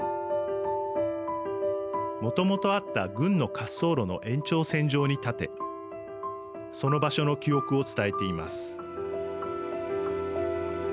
もともとあった軍の滑走路の延長線上に建てその場所の記憶を伝えています。